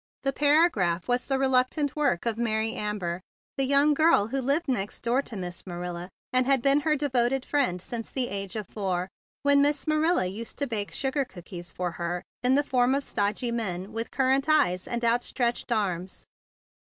The paragraph was the reluctant work of Mary Amber, the young girl who lived next door to Miss Marilla and had been her devoted 8 THE BIG BLUE SOLDIER friend since the age of four, when Miss Marilla used to bake sugar cookies for her in the form of stogy men with cur¬ rant eyes and outstretched arms.